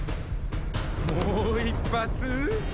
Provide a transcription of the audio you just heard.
もう一発。